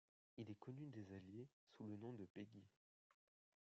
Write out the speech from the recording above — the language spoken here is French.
Il est connu des Alliés sous le nom de Peggy.